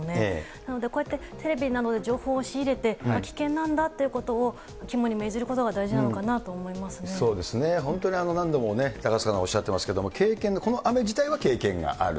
なのでこうやって、テレビなどで情報を仕入れて、危険なんだということを肝に銘じることが大事なのかなと思いますそうですね、本当に何度も高塚さんがおっしゃってますけど、経験の、この雨自体は経験がある。